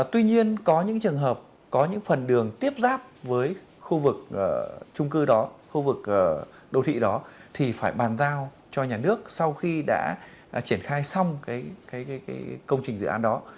tuy nhiên có những trường hợp có những phần đường tiếp giáp với khu vực trung cư đó khu vực đô thị đó thì phải bàn giao cho nhà nước sau khi đã triển khai xong công trình dự án đó